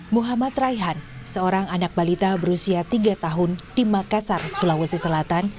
muhammad raihan seorang anak balita berusia tiga tahun di makassar sulawesi selatan